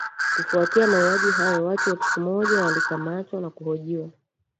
Kufuatia mauaji hayo watu elfu moja walikamatwa na kuhojiwa